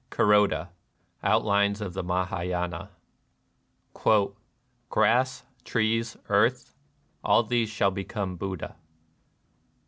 — KuKODA, Outlines of the Mahayana. " Grass, trees, earth, — all these shall become Buddha."